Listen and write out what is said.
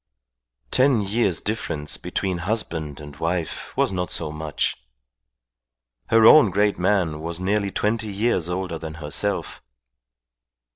Ten years' difference between husband and wife was not so much. Her own great man was nearly twenty years older than herself.